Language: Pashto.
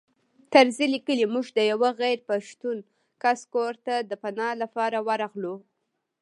طرزي لیکي موږ د یوه غیر پښتون کس کور ته پناه لپاره ورغلو.